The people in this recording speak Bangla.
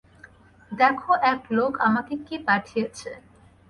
দ্যাখো এক লোক আমাকে কী পাঠিয়েছে।